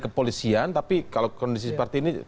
kepolisian tapi kalau kondisi seperti ini